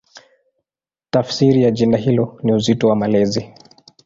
Tafsiri ya jina hilo ni "Uzito wa Malezi".